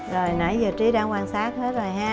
rồi nãy giờ trí đang quan sát hết rồi ha